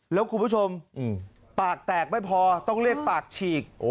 แล้วคุณผู้ชมปากแตกไม่พอต้องเรียกปากฉีก